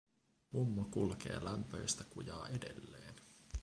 Mummo kulkee lämpöistä kujaa edelleen.